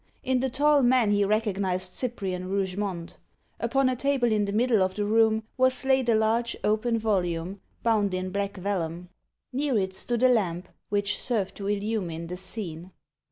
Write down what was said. In the tall man he recognised Cyprian Rougemont. Upon a table in the middle of the room was laid a large open volume, bound in black vellum. Near it stood a lamp, which served to illumine the scene.